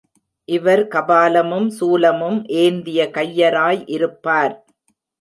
இவர் கபாலமும் சூலமும் ஏந்திய கையராய் இருப்பார்.